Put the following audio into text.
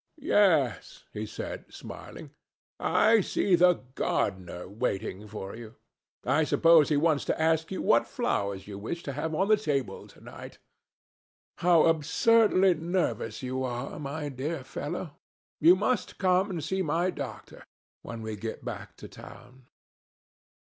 "Yes," he said, smiling, "I see the gardener waiting for you. I suppose he wants to ask you what flowers you wish to have on the table to night. How absurdly nervous you are, my dear fellow! You must come and see my doctor, when we get back to town."